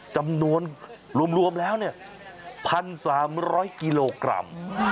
จำนวนรวมแล้ว๑๓๐๐กิโลกรัม